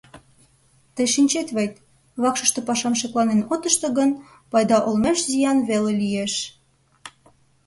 — Тый шинчет вет: вакшыште пашам шекланен от ыште гын, пайда олмеш зиян веле лиеш.